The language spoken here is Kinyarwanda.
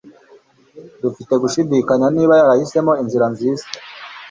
dufite gushidikanya niba yarahisemo inzira nziza